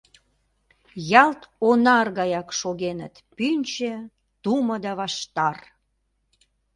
Ялт Онар гаяк шогеныт пӱнчӧ, тумо да ваштар.